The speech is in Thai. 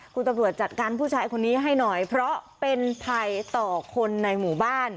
คุณตำรวจจัดการผู้ชายคนนี้ให้หน่อยเพราะเป็นภัยต่อคนในหมู่บ้าน